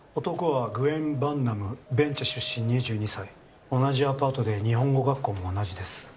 男はグエン・ヴァン・ナムベン・チェ出身２２歳同じアパートで日本語学校も同じです